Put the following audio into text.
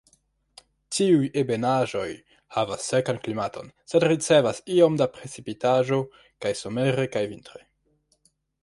Tiuj ebenaĵoj havas sekan klimaton sed ricevas iom da precipitaĵo kaj somere kaj vintre.